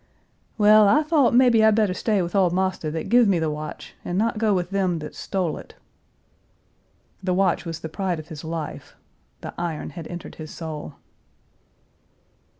"Well, I thought may be I better stay with ole marster that give me the watch, and not go with them that stole it." The watch was the pride of his life. The iron had entered his soul.